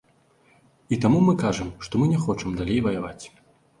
І таму мы кажам, што мы не хочам далей ваяваць.